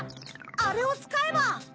あれをつかえば！